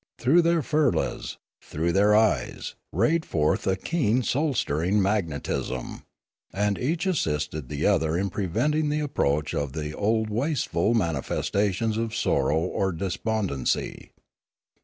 Through their firlas, through their eyes, rayed forth a keen soul stirring magnetism. And each assisted the other in preventing the approach of the old wasteful manifestations of sorrow or despon dency.